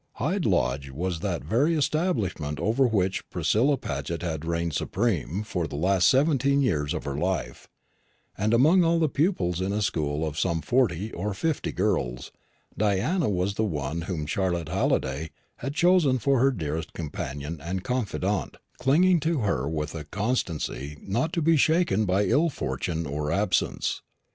Hyde Lodge was that very establishment over which Priscilla Paget had reigned supreme for the last seventeen years of her life, and among all the pupils in a school of some forty or fifty girls, Diana was the one whom Charlotte Halliday had chosen for her dearest companion and confidante, clinging to her with a constancy not to be shaken by ill fortune or absence.